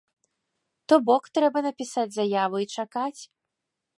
То бок, трэба напісаць заяву і чакаць.